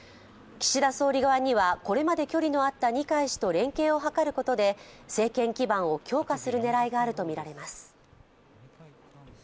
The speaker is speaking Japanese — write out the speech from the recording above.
岸田総理側にはこれまで距離のあった二階氏と連携を図ることで政権基盤を強化する狙いがあるとみられます。